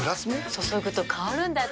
注ぐと香るんだって。